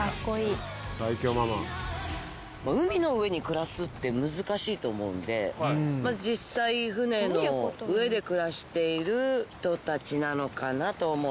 海の上に暮らすって難しいと思うんで実際船の上で暮らしている人たちなのかなと思って。